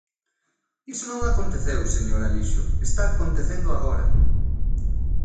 Iso non aconteceu, señor Alixo, está acontecendo agora.